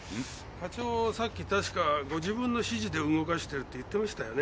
課長さっき確かご自分の指示で動かしてるって言ってましたよね。